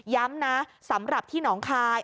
ย้ำนะสำหรับที่หนองคาย